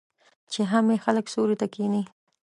چې هم یې خلک سیوري ته کښیني.